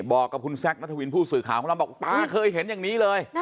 บอกกับคุณแซคนัทวินผู้สื่อข่าวของเราบอกตาเคยเห็นอย่างนี้เลย